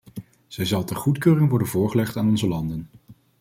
Zij zal ter goedkeuring worden voorgelegd aan onze landen.